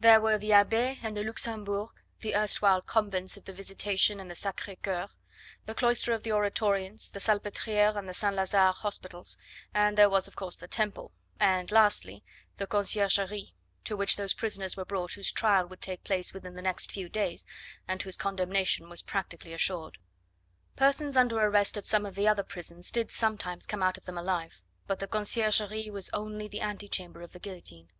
There were the Abbaye and the Luxembourg, the erstwhile convents of the Visitation and the Sacre Coeur, the cloister of the Oratorians, the Salpetriere, and the St. Lazare hospitals, and there was, of course, the Temple, and, lastly, the Conciergerie, to which those prisoners were brought whose trial would take place within the next few days, and whose condemnation was practically assured. Persons under arrest at some of the other prisons did sometimes come out of them alive, but the Conciergerie was only the ante chamber of the guillotine.